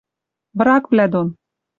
врагвлӓ дон